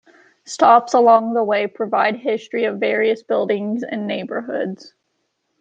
Stops along the way provide history of various buildings and neighborhoods.